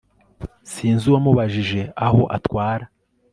Sinzi uwamubajije aho atwara